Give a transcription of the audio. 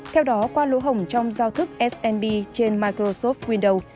theo đó qua lũ hổng trong giao thức snb trên microsoft windows